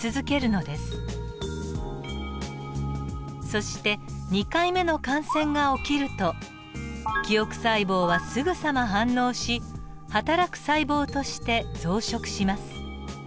そして２回目の感染が起きると記憶細胞はすぐさま反応しはたらく細胞として増殖します。